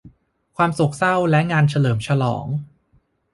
ความเศร้าโศกและงานเฉลิมฉลอง